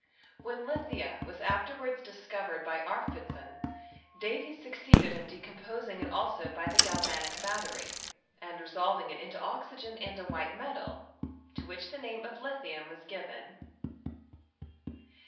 When lithia was afterwards dis OF ELECTRO CHEMISTRY. 265 covered by Arfvedson, Davy succeeded in decom posing it also by the galvanic battery, and resolving it into oxygen and a white metal, to which the name of lithium was given.